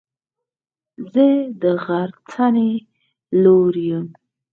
زه د غرڅنۍ لور يم.